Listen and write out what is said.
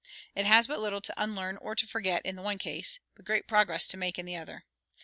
It has but little to unlearn or to forget in the one case, but great progress to make in the other.